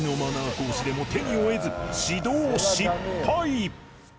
コーチでも手に負えず指導失敗